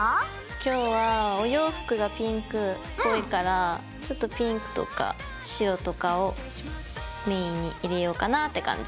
今日はお洋服がピンクっぽいからちょっとピンクとか白とかをメインに入れようかなって感じ。